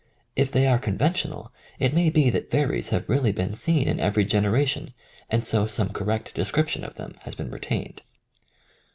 If they are conventional it may be that fairies have really been seen in every generation, and so some correct description of them has been retained.